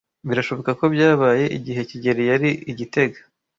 Birashoboka ko byabaye igihe kigeli yari i gitega.